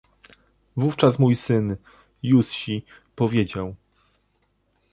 Wówczas mój syn, Józsi, powiedział